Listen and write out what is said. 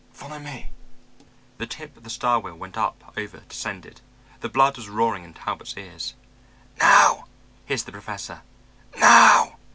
Follow me." The tip of the star wheel went up, over, descended. The blood was roaring in Talbot's ears. "Now!" hissed the Professor. "Now!"